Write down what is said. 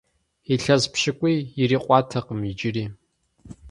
Илъэс пщыкӏуий ирикъуатэкъым иджыри.